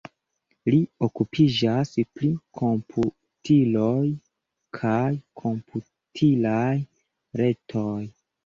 Li okupiĝas pri komputiloj kaj komputilaj retoj.